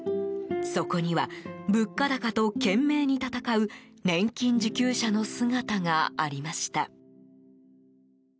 そこには、物価高と懸命に闘う年金受給者の姿がありました。